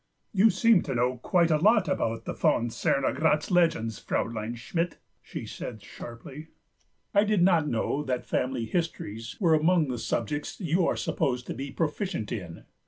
"You seem to know quite a lot about the von Cernogratz legends, Fraulein Schmidt," she said sharply; "I did not know that family histories were among the subjects you are supposed to be proficient in."